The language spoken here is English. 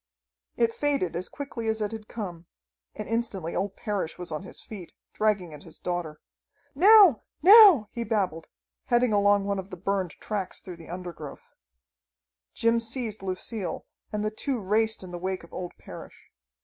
It faded as quickly as it had come, and instantly old Parrish was on his feet, dragging at his daughter. "Now! Now!" he babbled, heading along one of the burned tracks through the undergrowth. Jim seized Lucille and the two raced in the wake of old Parrish.